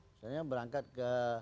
misalnya berangkat ke